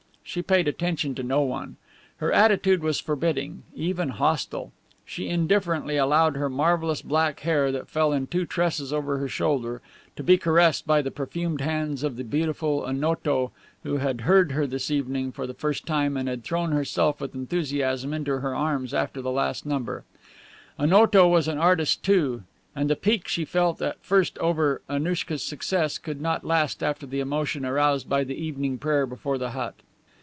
She paid attention to no one. Her attitude was forbidding, even hostile. She indifferently allowed her marvelous black hair that fell in two tresses over her shoulder to be caressed by the perfumed hands of the beautiful Onoto, who had heard her this evening for the first time and had thrown herself with enthusiasm into her arms after the last number. Onoto was an artist too, and the pique she felt at first over Annouchka's success could not last after the emotion aroused by the evening prayer before the hut.